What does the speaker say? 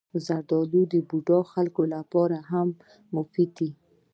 زردالو د بوډا خلکو لپاره هم مفید دی.